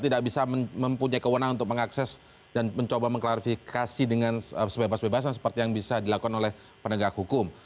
tidak bisa mempunyai kewenangan untuk mengakses dan mencoba mengklarifikasi dengan sebebas bebasan seperti yang bisa dilakukan oleh penegak hukum